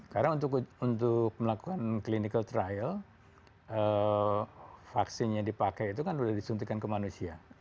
karena untuk melakukan clinical trial vaksin yang dipakai itu kan sudah disuntikkan ke manusia